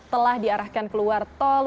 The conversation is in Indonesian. telah diarahkan keluar tol